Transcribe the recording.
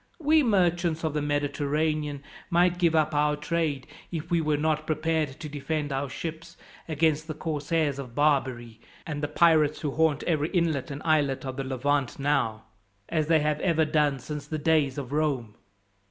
We merchants of the Mediterranean might give up our trade, if we were not prepared to defend our ships against the corsairs of Barbary, and the pirates who haunt every inlet and islet of the Levant now, as they have ever done since the days of Rome.